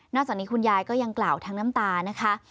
จากนี้คุณยายก็ยังกล่าวทั้งน้ำตานะคะ